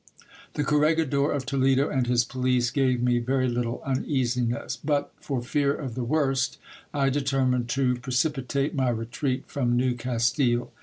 The corregidor of Toledo and his police gave me very little uneasiness. But for fear of the worst, I determined to precipitate my retreat from New Castile.